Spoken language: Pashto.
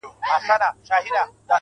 خور وايي وروره، ورور وای خورې مه ځه_